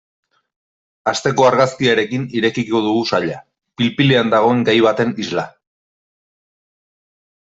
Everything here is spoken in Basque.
Asteko argazkiarekin irekiko dugu saila, pil-pilean dagoen gai baten isla.